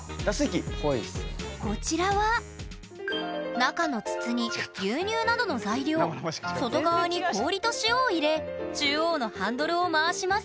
こちらは中の筒に牛乳などの材料外側に氷と塩を入れ中央のハンドルを回します。